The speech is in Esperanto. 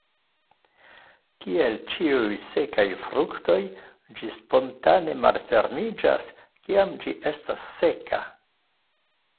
Kiel ĉiuj sekaj fruktoj ĝi spontane malfermiĝas, kiam ĝi estas seka.